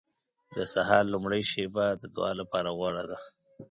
• د سهار لومړۍ شېبه د دعا لپاره غوره ده.